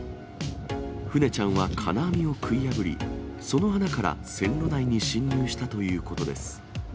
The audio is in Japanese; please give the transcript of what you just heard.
ふねちゃんは金網を食い破り、その穴から線路内に侵入したということです。